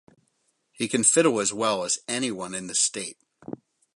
He can fiddle as well as anyone in the State.